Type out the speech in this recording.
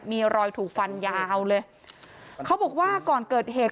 มีรอยถูกฟันยาวเลยเขาบอกว่าก่อนเกิดเหตุ